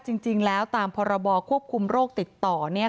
ว่าจริงแล้วตามพบควบคุมโรคติดต่อ